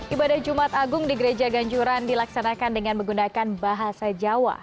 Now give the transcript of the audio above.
ibadah jumat agung di gereja ganjuran dilaksanakan dengan menggunakan bahasa jawa